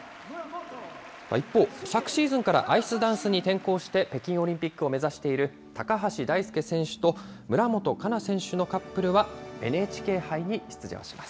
一方、昨シーズンからアイスダンスに転向して北京オリンピックを目指している、高橋大輔選手と村元哉中選手のカップルは、ＮＨＫ杯に出場します。